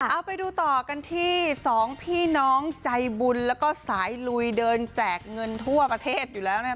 เอาไปดูต่อกันที่สองพี่น้องใจบุญแล้วก็สายลุยเดินแจกเงินทั่วประเทศอยู่แล้วนะครับ